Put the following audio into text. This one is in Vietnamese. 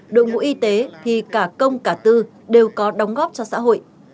đội ngũ y tế thì cả công cả tư đều có đóng góp cho xã hội